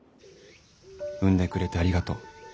生んでくれてありがとう。